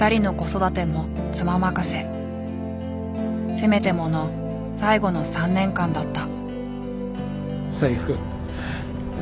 せめてもの最後の３年間だった。